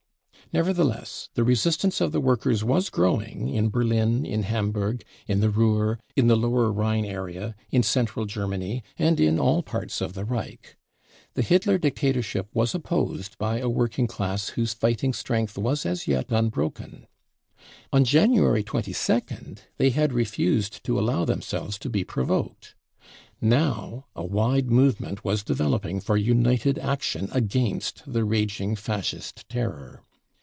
Nevertheless, the resistance of the workers was growing in Berlin, in Hamburg, in the Ruhr, in the Lower Rhine area, in Central Germany and in all parts of the Reich. The Hitler dictatorship was opposed by a working class whose fighting strength was as yet unbroken. On January 22nd th(*y had refused to allow themselves to be provoked ; now a wide movement was developing for united action against the raging Fascist terror.